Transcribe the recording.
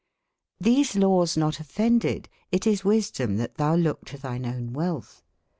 TThese lawes not offended, it is wysdome, that thou looke to thine own wealthe.